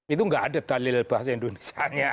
itu nggak ada dalil bahasa indonesia